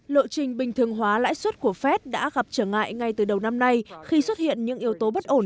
lộ trình bình thường hóa lãi suất của fed đã gặp trở ngại ngay từ đầu năm nay khi xuất hiện những yếu tố bất ổn